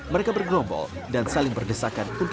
mereka bergerombol dan saling berdesakan